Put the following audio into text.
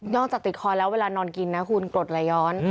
จากติดคอแล้วเวลานอนกินนะคุณกรดละย้อน